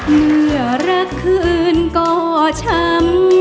เมื่อรักคืนก็ช้ำ